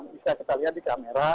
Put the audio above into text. bisa kita lihat di kamera